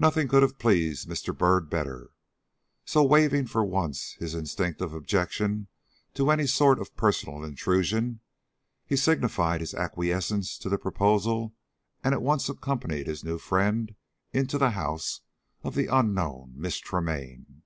Nothing could have pleased Mr. Byrd better. So, waiving for once his instinctive objection to any sort of personal intrusion, he signified his acquiescence to the proposal, and at once accompanied his new friend into the house of the unknown Miss Tremaine.